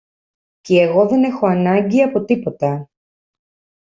κι εγώ δεν έχω ανάγκη από τίποτα.